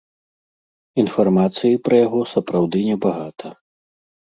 Інфармацыі пра яго сапраўды небагата.